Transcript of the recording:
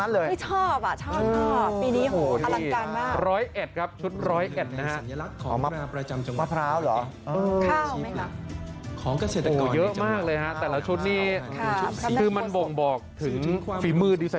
สัญลักษณ์ของมราบรายจะมรามเจมส์